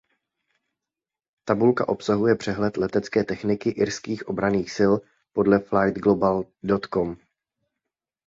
Tabulka obsahuje přehled letecké techniky Irských obranných sil podle Flightglobal.com.